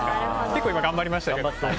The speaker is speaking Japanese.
結構頑張りました。